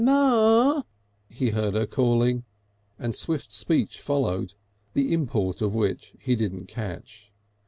"Ma!" he heard her calling, and swift speech followed, the import of which he didn't catch.